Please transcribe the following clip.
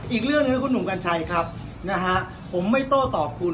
อีกเรื่องนะครับคุณหนุ่มกัญชัยครับนะฮะผมไม่โต้ตอบคุณ